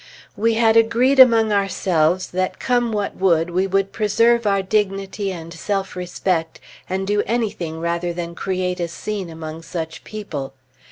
We had agreed among ourselves that come what would, we would preserve our dignity and self respect, and do anything rather than create a scene among such people.